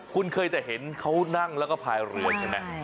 คุณเคยแต่เห็นเขานั่งแล้วก็พายเรือใช่ไหม